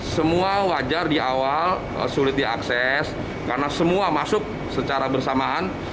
semua wajar di awal sulit diakses karena semua masuk secara bersamaan